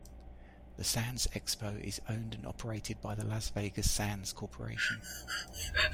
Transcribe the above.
The Sands Expo is owned and operated by the Las Vegas Sands Corporation.